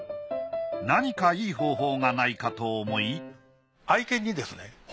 何かいい方法がないかと思い愛犬にですね